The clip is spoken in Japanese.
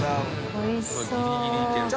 海ギリギリいけるかな。